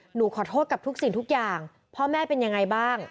หนูขอโทษกับทุกสิ่งทุกอย่างพ่อแม่เป็นยังไงบ้าง